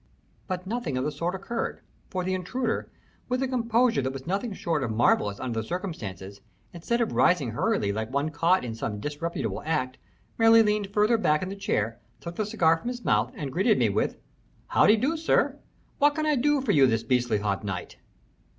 But nothing of the sort occurred, for the intruder, with a composure that was nothing short of marvelous under the circumstances, instead of rising hurriedly like one caught in some disreputable act, merely leaned farther back in the chair, took the cigar from his mouth, and greeted me with: "Howdy do, sir. What can I do for you this beastly hot night?"